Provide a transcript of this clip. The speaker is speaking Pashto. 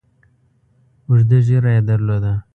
اوږده ږیره یې درلوده.